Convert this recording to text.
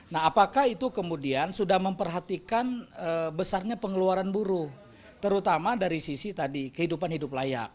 nah apakah itu kemudian sudah memperhatikan besarnya pengeluaran buruh terutama dari sisi tadi kehidupan hidup layak